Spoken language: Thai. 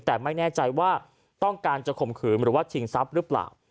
แต่ไม่แน่ใจว่าต้องการจะข่มขืนหรือว่าชิงทรัพย์หรือเปล่า